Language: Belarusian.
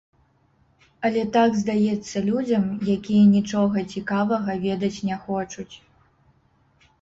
Але так здаецца людзям, якія нічога цікавага ведаць не хочуць.